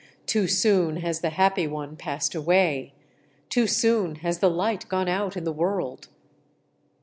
Too soon has the Happy One passed away! Too soon has the Light gone out in the world!'